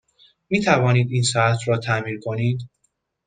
می توانید این ساعت را تعمیر کنید؟